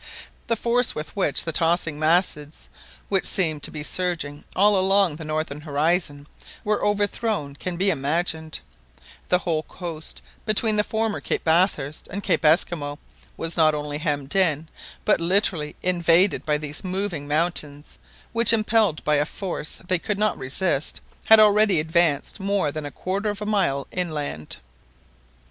The force with which the tossing masses, which seemed to be surging all along the northern horizon, were overthrown can be imagined; the whole coast between the former Cape Bathurst and Cape Esquimaux was not only hemmed in, but literally invaded by these moving mountains, which, impelled by a force they could not resist, had already advanced more than a quarter of a mile inland.